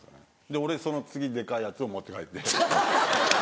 で俺その次デカいやつを持って帰って。